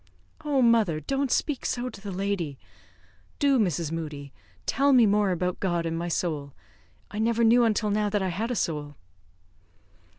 "Oh, mother, don't speak so to the lady! Do Mrs. Moodie, tell me more about God and my soul. I never knew until now that I had a soul."